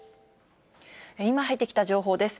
今入ってきた情報です。